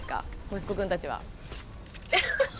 息子くんたちは。